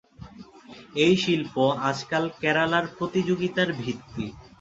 এই শিল্প আজকাল কেরালার প্রতিযোগিতার ভিত্তি।